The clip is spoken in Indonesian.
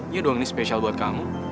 ya dong ini spesial buat kamu